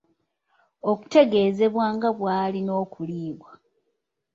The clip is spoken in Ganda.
okutegeezebwa nga bw’alina okuliibwa